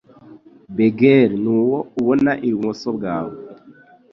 Mégère nuwo ubona ibumoso bwawe